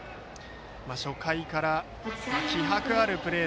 初回から気迫あるプレー